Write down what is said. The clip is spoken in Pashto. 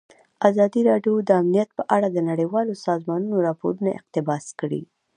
ازادي راډیو د امنیت په اړه د نړیوالو سازمانونو راپورونه اقتباس کړي.